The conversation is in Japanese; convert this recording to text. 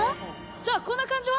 じゃあこんな感じは？